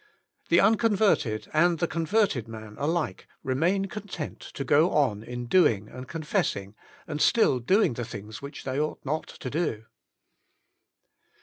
The unconverted and the converted man alike remain content to go on in doing and confessing, and still doing the things which they ought not to do.